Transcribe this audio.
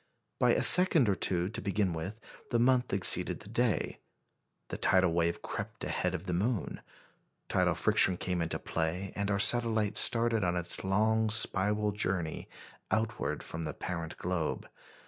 By a second or two to begin with, the month exceeded the day; the tidal wave crept ahead of the moon; tidal friction came into play, and our satellite started on its long spiral journey outward from the parent globe.